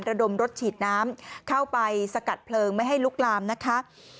ระดมรถฉีดน้ำเข้าไปสกัดเพลิงไม่ให้ลุกลามนะคะ